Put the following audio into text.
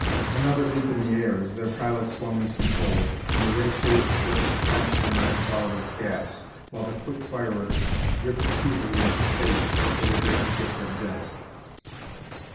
Another leap in the air, as their pilot swung his controls, and the red shape brushed past them in a cloud of gas, while the quick firers ripped futilely into space where the great ship had been.